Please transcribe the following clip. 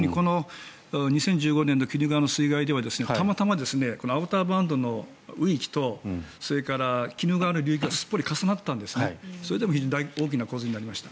２０１５年の鬼怒川の水害ではたまたまアウターバンドの流域と鬼怒川の流域がすっぽり重なってそれで大きな洪水になりました。